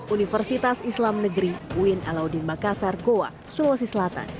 universitas islam negeri uin alauddin makassar goa sulawesi selatan